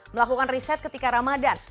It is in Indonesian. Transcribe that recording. melakukan riset ketika ramadhan